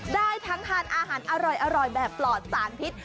ได้ทั้งทานอาหารอร่อยแบบปลอดสารพิษ